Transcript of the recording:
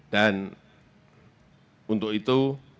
dan untuk itu